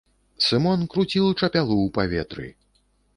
Сымон круціў чапялу ў паветры.